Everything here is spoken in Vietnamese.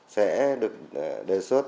sẽ được đề xuất